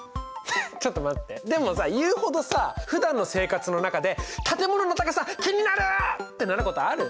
ハッちょっと待ってでもさ言うほどさふだんの生活の中で「建物の高さ気になる」ってなることある？